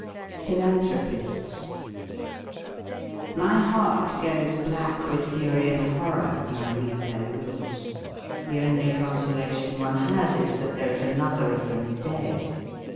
PHILANTHROPISTS MY heart goes black with fury and horror when I read their Wills. The only consolation one has is that there is another of them dead.